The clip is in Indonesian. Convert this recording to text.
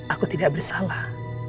aku tidak bersalah